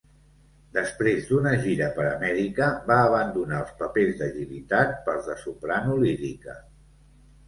Després d'una gira per Amèrica va abandonar els papers d'agilitat pels de soprano lírica.